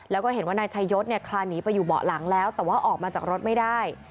แล้วก็เห็นว่านายชายศเนี่ยคลานหนีไปอยู่เบาะหลังแล้วแต่ว่าออกมาจากรถไม่ได้